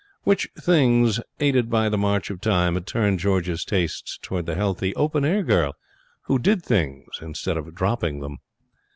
Which things, aided by the march of time, had turned George's tastes towards the healthy, open air girl, who did things instead of dropping them.